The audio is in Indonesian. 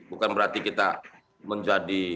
bukan berarti kita menjadikan